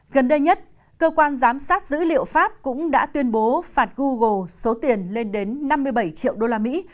gần đây nhất cơ quan giám sát dữ liệu pháp cũng đã tuyên bố phạt google số tiền lên đến năm mươi bảy triệu usd